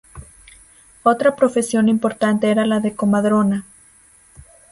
Otra profesión importante era la de comadrona.